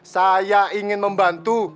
saya ingin membantu